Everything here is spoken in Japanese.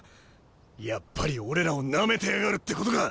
やっぱり俺らをなめてやがるってことか。